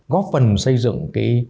góp phần xây dựng